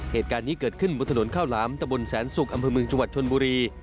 เหตุการณ์นี้เกิดขึ้นบนถนนข้าวหลามตะบนแสนสุกอำเภอเมืองจังหวัดชนบุรี